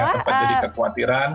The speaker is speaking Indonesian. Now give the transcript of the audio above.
yang sempat jadi kekhawatiran